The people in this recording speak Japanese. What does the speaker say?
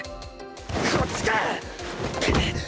こっちか！